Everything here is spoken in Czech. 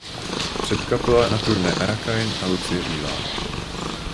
Předkapela na turné Arakain a Lucie Bílá.